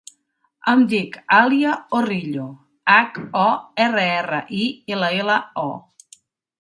Em dic Alia Horrillo: hac, o, erra, erra, i, ela, ela, o.